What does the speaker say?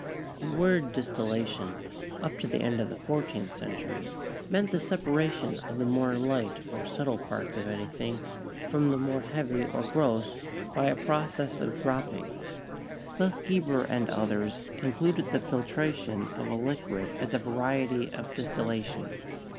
The word distillation up to the end of the fourteenth century meant the separation of the more light or subtle parts of anything from the more heavy or gross by a proc ess of dropping. Thus Geber and others included the fil tration of a liquid as a variety of distillation.